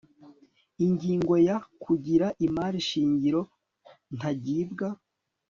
Ingingo ya Kugira imari shingiro ntagibwa